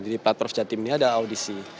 jadi plat prof jatim ini ada audisi